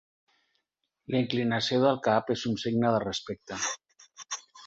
La inclinació del cap és un signe de respecte.